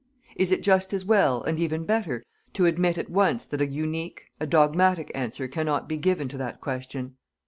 It is just as well, and even better, to admit at once that a unique, a dogmatic, answer cannot be given to that question.